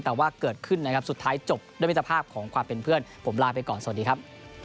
แต่ว่าเกิดขึ้นนะครับสุดท้ายจบด้วยมิตรภาพของความเป็นเพื่อนผมลาไปก่อนสวัสดีครับ